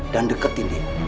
dan deketin dia